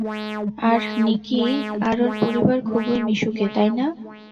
আর Nikki আর ওর পরিবার খুবই মিশুকে, তাই না?